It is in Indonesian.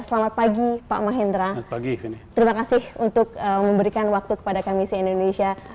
selamat pagi pak mahendra terima kasih untuk memberikan waktu kepada kami si indonesia